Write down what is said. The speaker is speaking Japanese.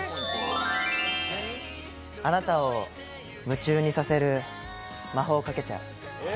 あなたを夢中にさせる、魔法をかけちゃう。